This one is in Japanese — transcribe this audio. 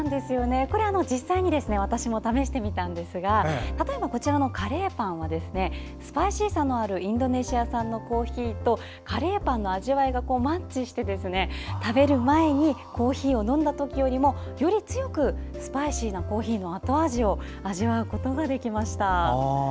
これを私も実際に試してみたんですが例えばこちらのカレーパンはスパイシーさのあるインドネシア産のコーヒーとカレーパンの味わいがマッチして食べる前にコーヒーを飲んだときよりもより強くスパイシーなコーヒーの後味を味わうことができました。